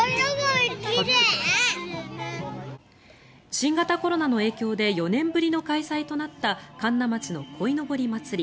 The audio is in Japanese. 新型コロナの影響で４年ぶりの開催となった神流町の鯉のぼり祭り。